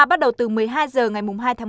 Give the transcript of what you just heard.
bắt đầu từ một mươi hai h ngày hai tháng một mươi